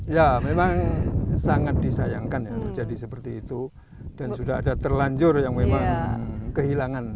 ya memang sangat disayangkan ya terjadi seperti itu dan sudah ada terlanjur yang memang kehilangan